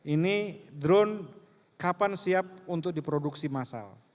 ini drone kapan siap untuk diproduksi massal